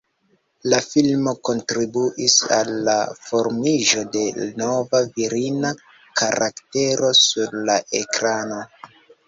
La filmo kontribuis al la formiĝo de nova virina karaktero sur la ekrano.